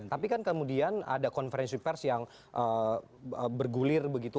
tapi kan kemudian ada konferensi pers yang bergulir begitu